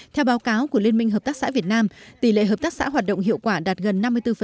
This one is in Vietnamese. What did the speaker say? theo báo cáo của liên minh hợp tác xã việt nam tỷ lệ hợp tác xã hoạt động hiệu quả đạt gần năm mươi bốn